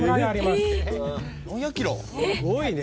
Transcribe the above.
すごいね。